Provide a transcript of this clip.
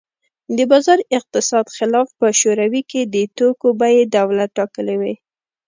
د بازار اقتصاد خلاف په شوروي کې د توکو بیې دولت ټاکلې وې